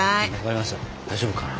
大丈夫かな。